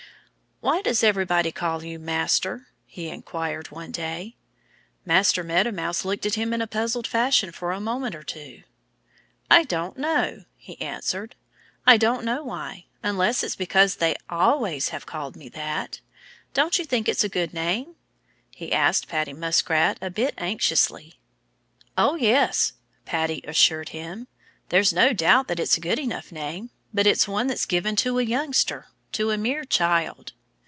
"Why does everybody call you 'Master'?" he inquired one day. Master Meadow Mouse looked at him in a puzzled fashion for a moment or two. "I don't know," he answered. "I don't know why, unless it's because they always have called me that. Don't you think it's a good name?" he asked Paddy Muskrat a bit anxiously. "Oh, yes!" Paddy assured him. "There's no doubt that it's a good enough name. But it's one that's given to a youngster to a mere child."